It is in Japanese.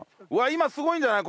今すごいんじゃない？